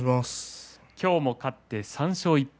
今日も勝って、３勝１敗。